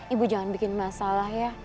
ibu jangan bikin masalah ya